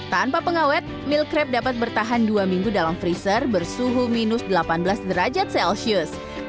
tanpa pengawet meal crab dapat bertahan dua minggu dalam freezer bersuhu minus delapan belas derajat celcius